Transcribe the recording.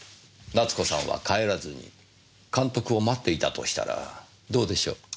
奈津子さんは帰らずに監督を待っていたとしたらどうでしょう？